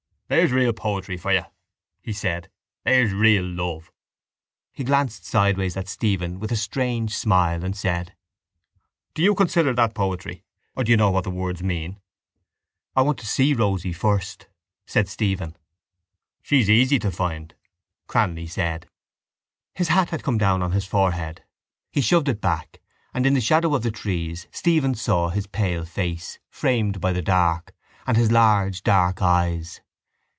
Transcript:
—There's real poetry for you, he said. There's real love. He glanced sideways at Stephen with a strange smile and said: —Do you consider that poetry? Or do you know what the words mean? —I want to see Rosie first, said Stephen. —She's easy to find, Cranly said. His hat had come down on his forehead. He shoved it back and in the shadow of the trees Stephen saw his pale face, framed by the dark, and his large dark eyes.